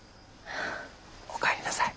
おかえりなさい。